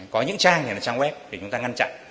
có những trang hay là trang web thì chúng ta ngăn chặn